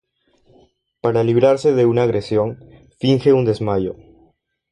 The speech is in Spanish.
Para librarse de una agresión, finge un desmayo.